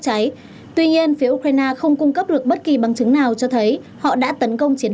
cháy tuy nhiên phía ukraine không cung cấp được bất kỳ bằng chứng nào cho thấy họ đã tấn công chiến